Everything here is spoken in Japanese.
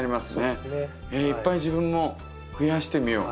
いっぱい自分も増やしてみよう。